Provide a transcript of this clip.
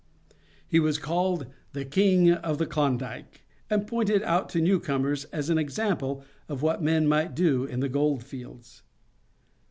He was called "the King of the Klondike," and pointed out to newcomers as an example of what men might do in the gold fields.